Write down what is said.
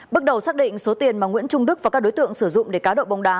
bước đầu xác định số tiền mà nguyễn trung đức và các đối tượng sử dụng để cá độ bóng đá